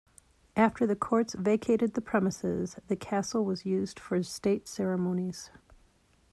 After the courts vacated the premises, the Castle was used for state ceremonies.